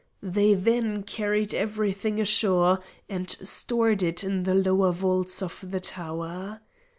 They then carried everything ashore and stored it in the lower vaults of the tower.